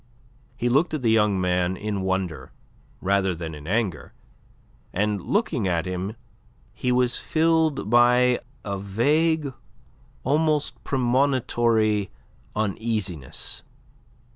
He looked at the young man in wonder rather than in anger, and looking at him he was filled by a vague, almost a premonitory, uneasiness.